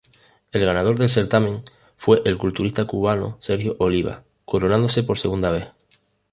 El ganador del certamen fue el culturista cubano Sergio Oliva, coronándose por segunda vez.